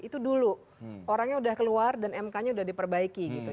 itu dulu orangnya udah keluar dan mknya udah diperbaiki gitu